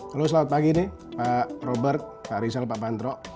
halo selamat pagi nih pak robert pak rizal pak pantro